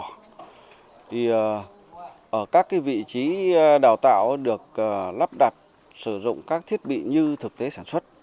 thì ở các vị trí đào tạo được lắp đặt sử dụng các thiết bị như thực tế sản xuất